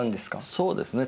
そうですね。